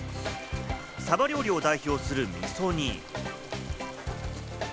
サバ料理を代表する、みそ煮。